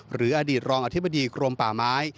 หรืออดีตรองอธิบดีกรมป่าไม้